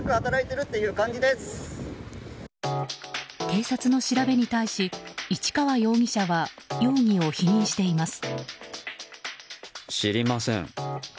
警察の調べに対し市川容疑者は容疑を否認しています。